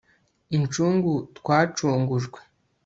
Inshungu twacungujwe